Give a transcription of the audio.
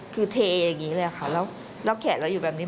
คือเทอย่างนี้เลยค่ะแล้วแขนเราอยู่แบบนี้